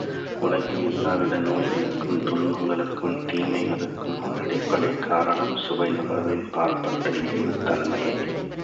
உலகின் எல்லாவித நோய்களுக்கும், துன்பங்களுக்கும், தீமைகளுக்கும் அடிப்படைக் காரணம், சுவைநுகர்வின் பாற்பட்ட இழிவுத் தன்மையே!